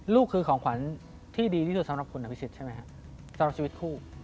ลูกคือของขวัญที่ดีที่สุดสำหรับคุณอภิษฎใช่ไหมครับสำหรับชีวิตคู่